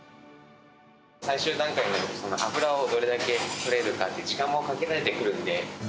最終段階で脂をどれだけ取れるかって、時間も限られてくるんで。